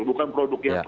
bukan produk yang